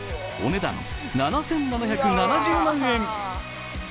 お値段７７７０万円！